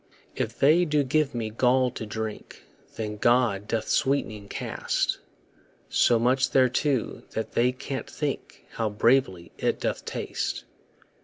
If they do give me gall to drink, Then God doth sweet'ning cast So much thereto that they can't think How bravely it doth taste.